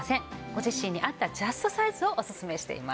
ご自身に合ったジャストサイズをおすすめしています。